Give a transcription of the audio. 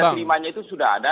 pada terimanya itu sudah ada